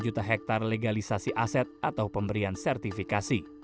satu juta hektare legalisasi aset atau pemberian sertifikasi